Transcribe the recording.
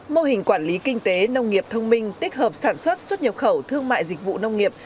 mô hình quản lý kinh tế nông nghiệp thông minh tích hợp sản xuất xuất nhập khẩu thương mại dịch vụ nông nghiệp